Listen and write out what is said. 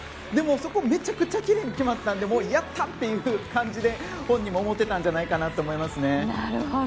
でも、そこがめちゃくちゃきれいに決まったのでやった！という気持ちを本人も思っていたんじゃないかと思いますね。